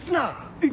えっ？